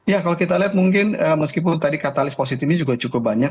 ya kalau kita lihat mungkin meskipun tadi katalis positifnya juga cukup banyak